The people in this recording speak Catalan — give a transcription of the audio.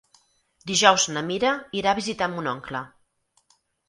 Dijous na Mira irà a visitar mon oncle.